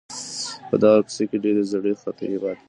په دغه کوڅې کي ډېرې زړې خاطرې پاته دي.